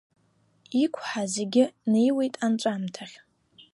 Иқәҳа зегь неиуеит анҵәамҭахь.